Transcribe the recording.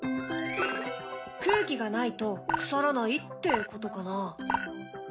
空気がないと腐らないってことかな？